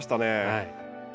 はい。